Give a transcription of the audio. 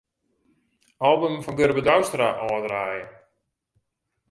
Album fan Gurbe Douwstra ôfdraaie.